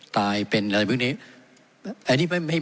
ตายเป็นอะไรพวกนี้